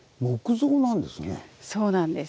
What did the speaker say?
そうなんです。